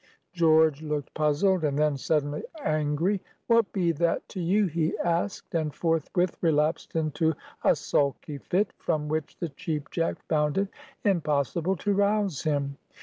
George looked puzzled, and then, suddenly, angry. "What be that to you?" he asked, and forthwith relapsed into a sulky fit, from which the Cheap Jack found it impossible to rouse him.